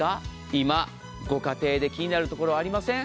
今、ご家庭で気になるところありません？